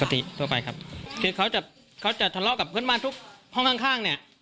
ทั่วไปครับคือเขาจะเขาจะทะเลาะกับเพื่อนบ้านทุกห้องข้างข้างเนี่ย